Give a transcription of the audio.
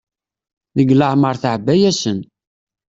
Deg leɛmer teɛba-yasen.